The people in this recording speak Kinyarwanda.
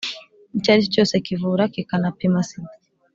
icyo aricyo cyose kivura kikanapima sida